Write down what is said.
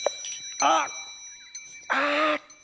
あっ！